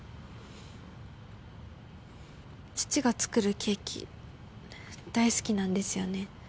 父が作るケーキ大好きなんですよね